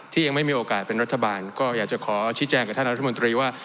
ยังไม่มีโอกาสเป็นรัฐบาลก็อยากจะขอชี้แจงกับท่านรัฐมนตรีว่า